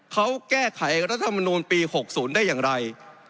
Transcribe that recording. เขาแก้ไขรัฐมนูลปี๖๐ได้อย่างไร